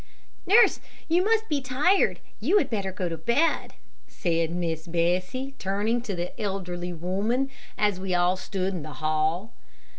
"Nurse, you must be tired, you had better go to bed," said Miss Bessie, turning to the elderly woman, as we all stood in the hall.